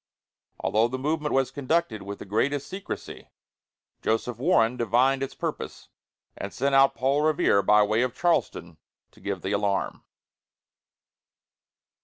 Although the movement was conducted with the greatest secrecy, Joseph Warren divined its purpose, and sent out Paul Revere by way of Charlestown to give the alarm.